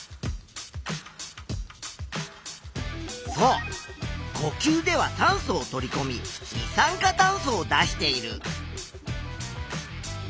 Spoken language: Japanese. そうこきゅうでは酸素を取りこみ二酸化炭素を出している。